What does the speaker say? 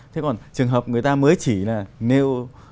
thế còn trường hợp người ta mới chỉ là nêu